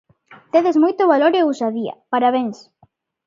Tedes moito valor e ousadía, parabéns!